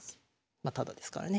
まタダですからね